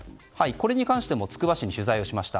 これに関してもつくば市に取材をしました。